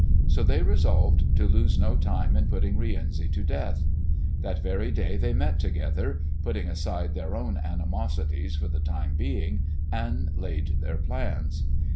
So they resolved to lose no time in putting Rienzi to death. That very day they met together—putting aside their own animosities for the time being—and laid their plans.